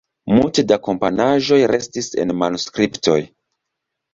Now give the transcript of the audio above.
Multe da komponaĵoj restis en manuskriptoj.